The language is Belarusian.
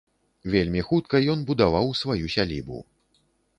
Вельмі хутка ён будаваў сваю сялібу.